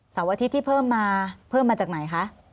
อาทิตย์ที่เพิ่มมาเพิ่มมาจากไหนคะ